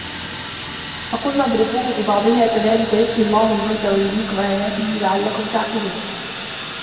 فَقُلْنَا اضْرِبُوهُ بِبَعْضِهَا ۚ كَذَٰلِكَ يُحْيِي اللَّهُ الْمَوْتَىٰ وَيُرِيكُمْ آيَاتِهِ لَعَلَّكُمْ تَعْقِلُونَ